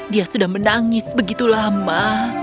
dia sudah menangis begitu lama